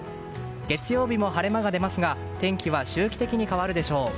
月曜日も晴れ間が出ますが天気は周期的に変わるでしょう。